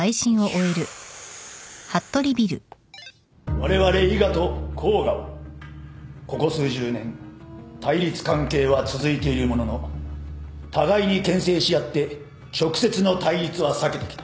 われわれ伊賀と甲賀はここ数十年対立関係は続いているものの互いにけん制し合って直接の対立は避けてきた。